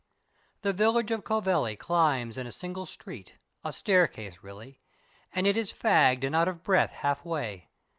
_ _The village of Clovelly climbs in a single street a staircase, really and it is fagged and out of breath half way.